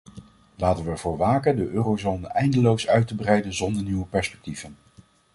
Laten we ervoor waken de eurozone eindeloos uit te breiden zonder nieuwe perspectieven.